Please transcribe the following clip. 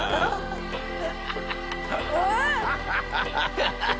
ハハハハッ！